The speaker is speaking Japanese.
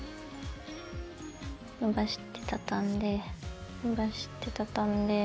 伸ばして畳んで伸ばして畳んで。